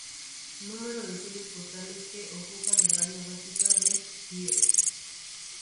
Número de sellos postales que ocupan el área básica del pliego.